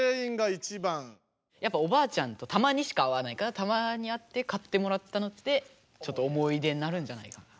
やっぱおばあちゃんとたまにしか会わないからたまに会って買ってもらったのってちょっと思い出になるんじゃないかな。